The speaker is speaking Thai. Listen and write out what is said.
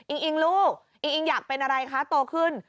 อิงลูกอิงอิงอยากเป็นอะไรคะโตขึ้น